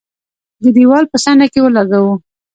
د دېوال په څنډه کې ولګاوه.